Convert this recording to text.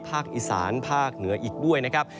ภาคอีสานภาคเหนืออีกด้วยนะครับ